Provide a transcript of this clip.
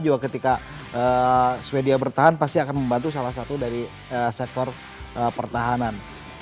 juga ketika sweden bertahan pasti akan membantu salah satu dari sektor pertahanan